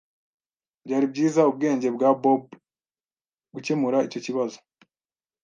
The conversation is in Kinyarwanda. Byari byiza ubwenge bwa Bob gukemura icyo kibazo.